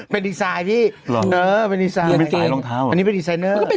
เป็นดีไซน์พี่อันนี้เป็นดีไซน์เนอร์